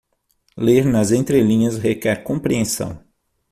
Ler nas entrelinhas requer compreensão.